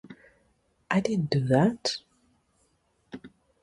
I didn't do that.